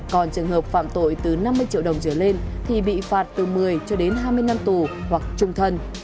còn trường hợp phạm tội từ năm mươi triệu đồng trở lên thì bị phạt từ một mươi cho đến hai mươi năm tù hoặc trung thân